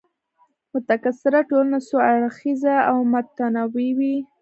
متکثره ټولنه څو اړخیزه او متنوع وي.